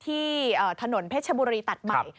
ที่ถนนเพชรบุรีตัดใหม่